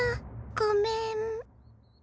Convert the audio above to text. ごめん。